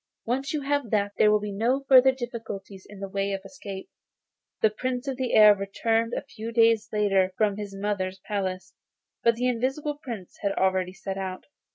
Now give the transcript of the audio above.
Once you have that, there will be no further difficulty in the way of escape.' The Prince of the Air returned a few days later from his mother's palace, but the Invisible Prince had already set out.